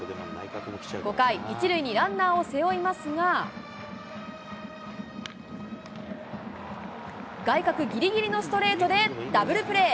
５回、１塁にランナーを背負いますが、外角ぎりぎりのストレートでダブルプレー。